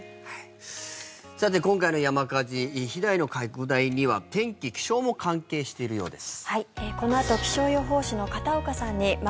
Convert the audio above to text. さて、今回の山火事被害の拡大には天気、気象も関係しているようです。